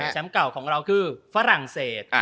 แชมป์เก่าของเราคือฝรั่งเศส